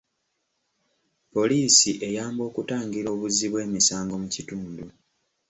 Poliisi eyamba okutangira obuzzi bw'emisango mu kitundu.